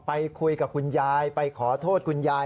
ไปคุยกับคุณยายไปขอโทษคุณยาย